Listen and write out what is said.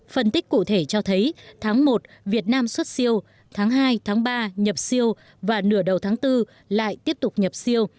phân tích cụ thể cho thấy tháng một việt nam xuất siêu tháng hai tháng ba nhập siêu và nửa đầu tháng bốn lại tiếp tục nhập siêu